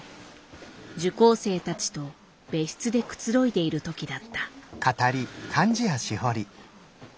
受講生たちと別室でくつろいでいる時だった。